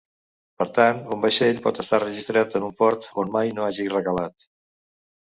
Per tant, un vaixell pot estar registrat en un port on mai no hagi recalat.